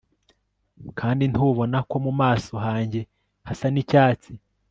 Kandi ntubona ko mu maso hanjye hasa nicyatsi